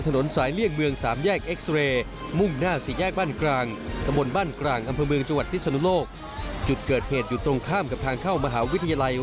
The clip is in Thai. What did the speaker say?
ในอายุที่๒๓ปี